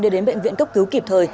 đưa đến bệnh viện cấp cứu kịp thời